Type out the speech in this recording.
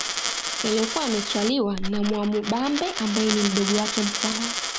Yaliyokuwa yametwaliwa na Mwamubambe ambaye ni mdogo wake Mkwawa